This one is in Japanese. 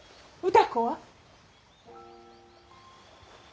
歌子は？